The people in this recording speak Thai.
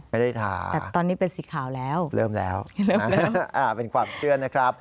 ไม่ได้ทาเริ่มแล้วเป็นความเชื่อนะครับ